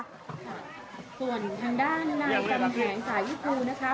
ส่วนทางด้านในกำแหนงสายุคลูนะคะ